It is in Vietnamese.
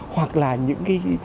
hoặc là những cái